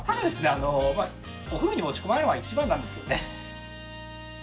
あのまあお風呂に持ち込まないのが一番なんですけどね。